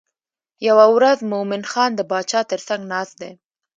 یوه ورځ مومن خان د باچا تر څنګ ناست دی.